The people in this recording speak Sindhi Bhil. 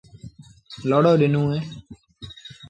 لوڙو ڏيݩوٚن اهي۔